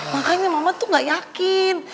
makanya mama tuh gak yakin